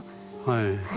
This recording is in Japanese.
はい。